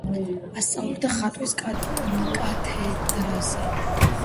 ასწავლიდა ხატვის კათედრაზე.